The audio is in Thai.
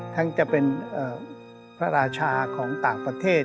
ทั้งจะเป็นพระราชาของต่างประเทศ